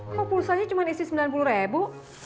apa pulsanya cuma isi sembilan puluh ribu